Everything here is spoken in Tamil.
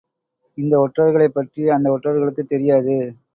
இந்த ஒற்றர்களைப் பற்றி அந்த ஒற்றர்களுக்குத் தெரியாது.